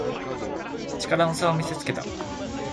力の差を見せつけた